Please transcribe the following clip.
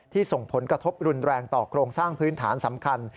ส่งผลกระทบรุนแรงต่อโครงสร้างพื้นฐานสำคัญ